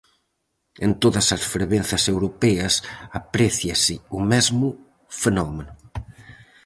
En todas as fervenzas europeas apréciase o mesmo fenómeno.